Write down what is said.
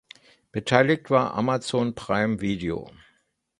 Beteiligt war Amazon Prime Video.